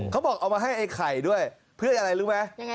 เขาบอกเอามาให้ไอ้ไข่ด้วยเพื่ออะไรรู้ไหม